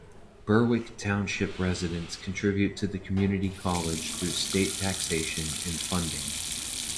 Berwick Township residents contribute to the community college through state taxation and funding.